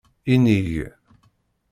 Inig.